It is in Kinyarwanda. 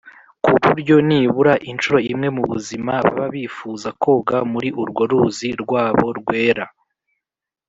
ku buryo nibura incuro imwe mu buzima baba bifuza koga muri urwo ‘ruzi rwabo rwera